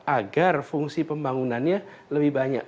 agar fungsi pembangunannya lebih banyak